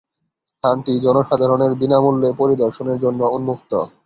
স্থানটি জনসাধারণের বিনামূল্যে পরিদর্শনের জন্য উন্মুক্ত।